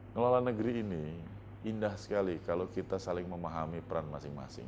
ngelola negeri ini indah sekali kalau kita saling memahami peran masing masing